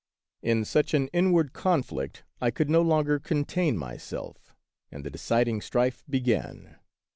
In such an inward conflict I could no longer contain myself, and the deciding strife began.